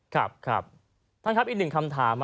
ครับครับท่านครับอีกหนึ่งคำถาม